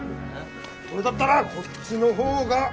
それだったらこっちの方が。